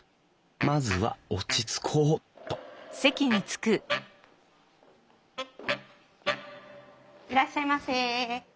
まずは落ち着こうっといらっしゃいませ。